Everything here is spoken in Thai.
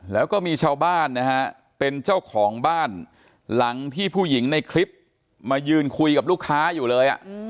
แล้วก็มีชาวบ้านนะฮะเป็นเจ้าของบ้านหลังที่ผู้หญิงในคลิปมายืนคุยกับลูกค้าอยู่เลย